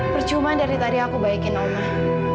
percuma dari tadi aku baikin omah